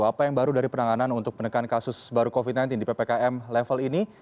apa yang baru dari penanganan untuk penekanan kasus baru covid sembilan belas di ppkm level ini